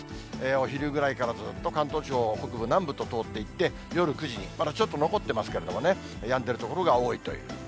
お昼ぐらいからずっと関東地方、北部、南部と通っていって、夜９時に、まだちょっと残ってますけれどもね、やんでる所が多いという。